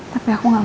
tidak bukan saya